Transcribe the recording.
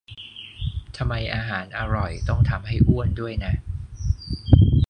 ทำไมอาหารอร่อยต้องทำให้อ้วนด้วยนะ